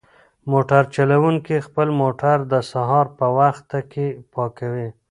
موټر چلونکی خپل موټر د سهار په وخت کې پاکوي.